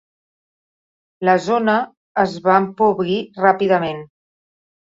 La zona es va empobrir ràpidament.